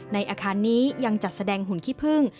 ในอาคารนี้ยังจัดแสดงหุ่นขี้พึ่ง